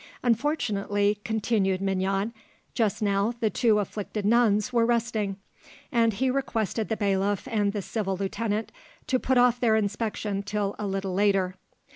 Unfortunately, continued Mignon, just now the two afflicted nuns were resting, and he requested the bailiff and the civil lieutenant to put off their inspection till a little later.